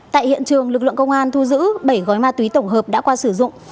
tại hiện trường lực lượng công an thu giữ bảy gói ma túy tổng hợp đã qua sử dụng